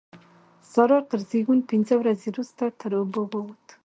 سارا تر زېږون پينځه ورځې روسته تر اوبو ووته.